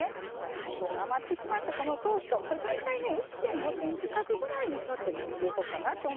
半分余ってしまったこのトースト大体１．５ｃｍ角ぐらいにちょっと切っていこうかなと思います。